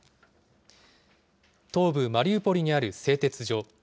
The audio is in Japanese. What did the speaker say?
東部マリウポリにある製鉄所。